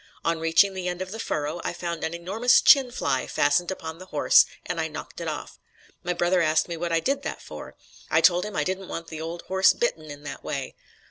On reaching the end of the furrow I found an enormous chin fly fastened upon the horse and I knocked it off. My brother asked me what I did that for. I told him I didn't want the old horse bitten in that way.